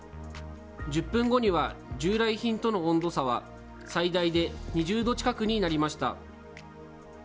１０分後には従来品との温度差は、最大で２０度近くになりました。